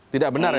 tidak benar ya